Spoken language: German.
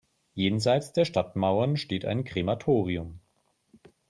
Jenseits der Stadtmauern steht ein Krematorium.